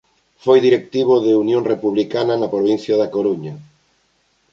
Foi directivo de Unión Republicana na provincia da Coruña.